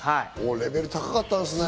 レベル高かったんですね。